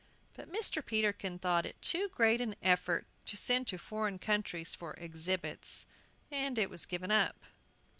But Mr. Peterkin thought it too great an effort to send to foreign countries for "exhibits," and it was given up.